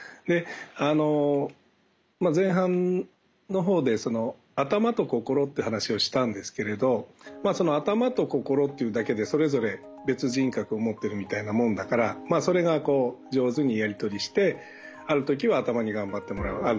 で前半のほうで頭と心って話をしたんですけれど頭と心というだけでそれぞれ別人格を持ってるみたいなもんだからそれが上手にやり取りしてある時は頭に頑張ってもらう。